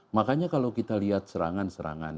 makanya kalau kita lihat serangan serangan